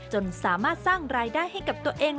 จนสามารถสร้างรายได้ให้กับตัวเอง